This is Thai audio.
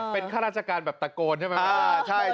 เป็นข้าราชการแบบตะโกนใช่ไหม